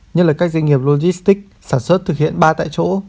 nhất là các doanh nghiệp logistics sản xuất thực hiện ba tại chỗ